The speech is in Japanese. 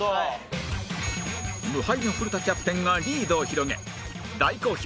無敗の古田キャプテンがリードを広げ大好評